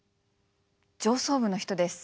上層部の人です。